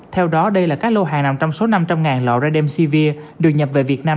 theo đó đây là các lô hàng nằm trong số năm trăm linh lọ rademsevir được nhập về việt nam